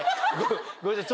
ごめんなさい